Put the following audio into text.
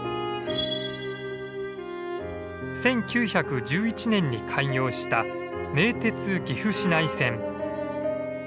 １９１１年に開業した名鉄岐阜市内線。